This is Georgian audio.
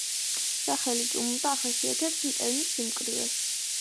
სახელი ჭუმუტა ახასიათებს მტევნის სიმკვრივეს.